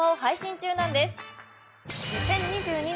２０２２年